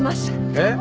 えっ？